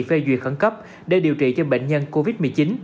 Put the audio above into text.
phê duyệt khẩn cấp để điều trị cho bệnh nhân covid một mươi chín